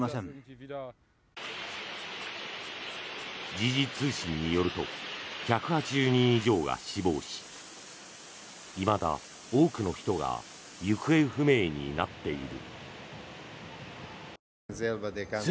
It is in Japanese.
時事通信によると１８０人以上が死亡しいまだ多くの人が行方不明になっている。